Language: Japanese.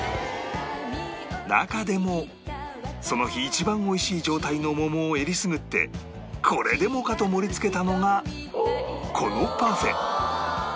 中でもその日一番美味しい状態の桃をえりすぐってこれでもかと盛りつけたのがこのパフェ